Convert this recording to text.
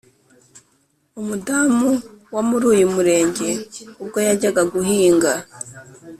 umudamu wo muri uyu murenge ubwo yajyaga guhinga